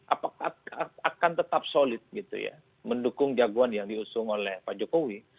apakah akan tetap solid gitu ya mendukung jagoan yang diusung oleh pak jokowi